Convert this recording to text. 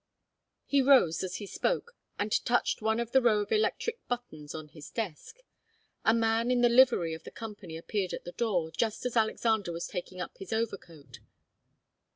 He rose as he spoke, and touched one of the row of electric buttons on his desk. A man in the livery of the Company appeared at the door, just as Alexander was taking up his overcoat.